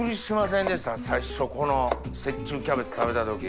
最初この雪中キャベツ食べた時。